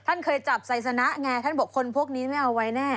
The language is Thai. ท่านเคยจับไซสนะไงท่านบอกคนพวกนี้ไม่เอาไว้แน่